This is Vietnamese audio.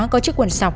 có chiếc quần sọc